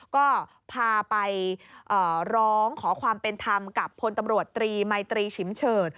ก็พาไปร้องขอความเป็นธรรมกับพลตำรวจตรีมัยตรีฉิมเฉิด